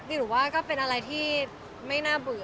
หรือว่าก็เป็นอะไรที่ไม่น่าเบื่อ